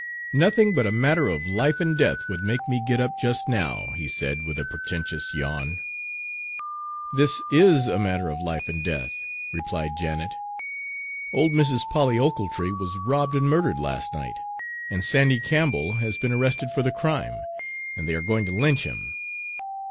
"Nothing but a matter of life and death would make me get up just now," he said with a portentous yawn. "This is a matter of life and death," replied Janet. "Old Mrs. Polly Ochiltree was robbed and murdered last night, and Sandy Campbell has been arrested for the crime, and they are going to lynch him!"